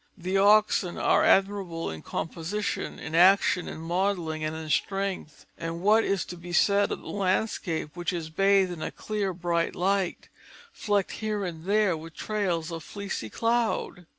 The oxen are admirable in composition, in action, in modelling, and in strength. And what is to be said of the landscape which is bathed in a clear, bright light, flecked here and there with trails of fleecy cloud?